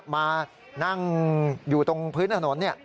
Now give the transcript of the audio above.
มานั่งอยู่ตรงพื้นทะนอนนี่